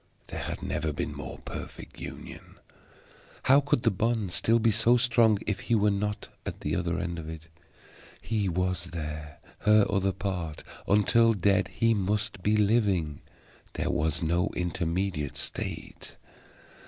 There had never been more perfect union; how could the bond still be so strong if he were not at the other end of it? He was there, her other part; until dead he must be living. There was no intermediate state.